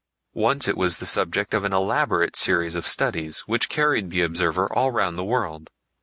Once it was the subject of an elaborate series of studies which carried the observer all round the world.